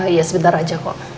iya sebentar aja kok